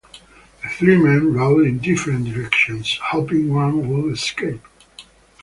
The three men rode in different directions, hoping one would escape.